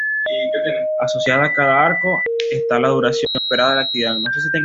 Asociada a cada arco está la duración esperada de la actividad.